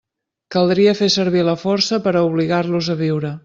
Caldria fer servir la força per a obligar-los a viure.